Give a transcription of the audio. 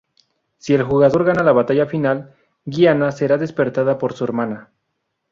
Si el jugador gana la batalla final, Giana será despertada por su hermana.